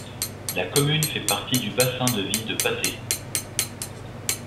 La commune fait partie du bassin de vie de Patay.